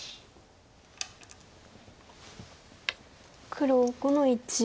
黒５の一。